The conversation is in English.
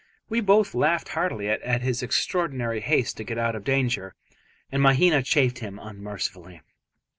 We both laughed heartily at his extraordinary haste to get out of danger, and Mahina chaffed him unmercifully.